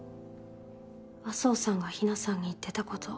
麻生さんが日奈さんに言ってたこと。